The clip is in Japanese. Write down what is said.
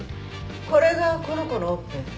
これがこの子のオペ？